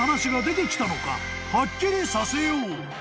［はっきりさせよう］